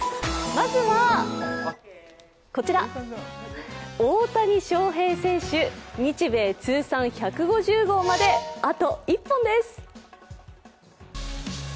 まずはこちら、大谷翔平選手、日米通算１５０号まであと１本です。